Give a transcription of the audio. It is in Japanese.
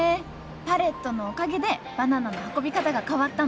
パレットのおかげでバナナの運び方が変わったのか。